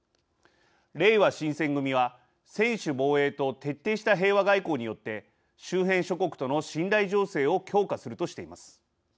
れいわ新選組は専守防衛と徹底した平和外交によって周辺諸国との信頼醸成を強化するとしています。